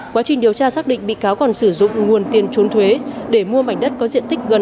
quá trình điều tra xác định bị cáo còn sử dụng nguồn tiền trốn thuế để mua mảnh đất có diện tích gần ba m hai